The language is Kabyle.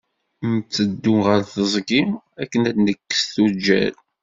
Nteddu ɣer tiẓgi akken ad d-nekkes tujjal.